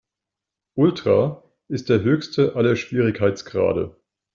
Ultra ist der höchste aller Schwierigkeitsgrade.